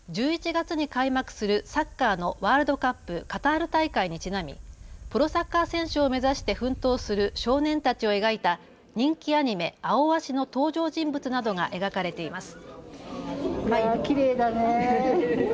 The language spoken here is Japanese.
１１月に開幕するサッカーのワールドカップ、カタール大会にちなみ、プロサッカー選手を目指して奮闘する少年たちを描いた人気アニメ、アオアシの登場人物などが描かれています。